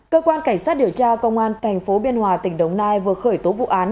cơ quan cảnh sát điều tra công an tp biên hòa tỉnh đồng nai vừa khởi tố vụ án